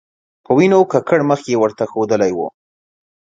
په وینو ککړ مخ یې ورته ښودلی و.